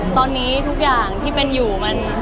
ตอนนี้ทุกอย่างที่เป็นอยู่มัน